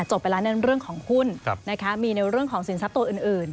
ไปแล้วในเรื่องของหุ้นมีในเรื่องของสินทรัพย์ตัวอื่น